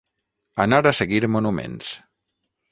Anar a seguir monuments.